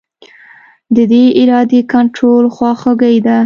د دې ارادې کنټرول خواخوږي ده.